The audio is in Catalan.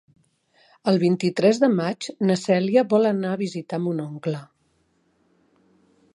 El vint-i-tres de maig na Cèlia vol anar a visitar mon oncle.